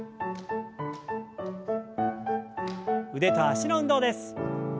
腕と脚の運動です。